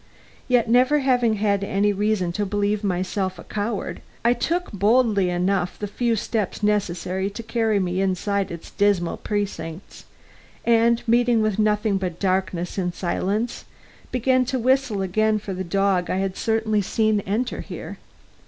Yet never having had any reason to believe myself a coward, I took boldly enough the few steps necessary to carry me inside its dismal precincts; and meeting with nothing but darkness and silence, began to whistle again for the dog I had certainly seen enter here.